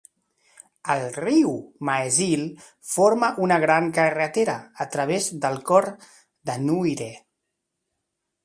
El riu Maesil forma una gran carretera a través del cor d'Anuire.